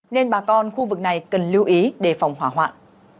nên bà con khu vực này cần lưu ý để phòng hỏa hoạn